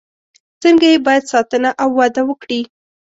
څنګه یې باید ساتنه او وده وکړي.